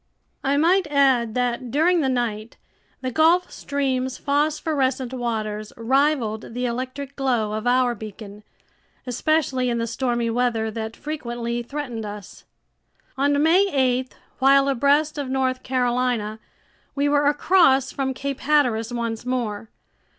I might add that during the night, the Gulf Stream's phosphorescent waters rivaled the electric glow of our beacon, especially in the stormy weather that frequently threatened us. On May 8, while abreast of North Carolina, we were across from Cape Hatteras once more.